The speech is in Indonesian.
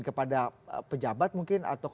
kepada pejabat mungkin atau